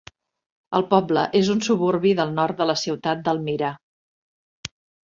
El poble és un suburbi del nord de la ciutat d'Elmira.